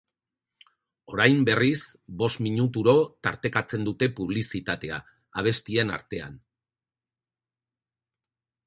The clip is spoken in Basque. Orain, berriz, bost minuturo tartekatzen dute publizitatea, abestien artean.